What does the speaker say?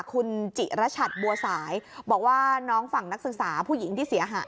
คุณจิรชัดบัวสายบอกว่าน้องฝั่งนักศึกษาผู้หญิงที่เสียหาย